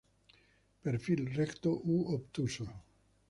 Perfil recto u obtuso.